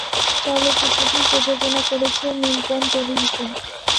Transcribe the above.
চলচ্চিত্রটি প্রযোজনা করেছে নিপ্পন টেলিভিশন।